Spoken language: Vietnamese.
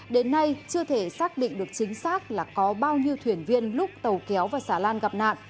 đến nay chưa thể xác định được chính xác là có bao nhiêu thuyền viên lúc tàu kéo và xà lan gặp nạn